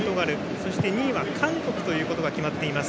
そして、２位は韓国ということが決まっています。